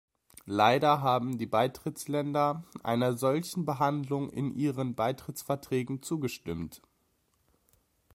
Leider haben die Beitrittsländer einer solchen Behandlung in ihren Beitrittsverträgen zugestimmt.